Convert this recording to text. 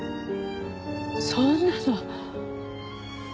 そんなの。